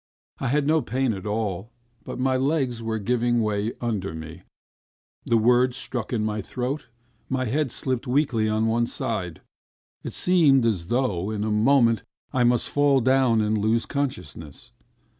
I had no pain at all, but my legs were giving way under me, the words stuck in my throat, my head slipped weakly on one side ... It seemed as though, in a moment, I must fall down and lose consciousness.